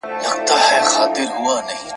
یو معلم کلي ته نوی وو راغلی ..